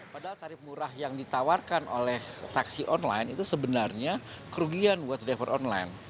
padahal tarif murah yang ditawarkan oleh taksi online itu sebenarnya kerugian buat driver online